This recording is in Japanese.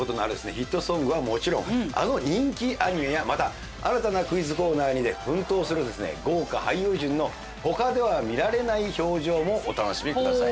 ヒットソングはもちろんあの人気アニメやまた新たなクイズコーナーにて奮闘する豪華俳優陣の他では見られない表情もお楽しみください。